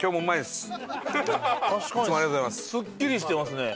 すっきりしてますね。